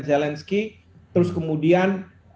zelensky terus kemudian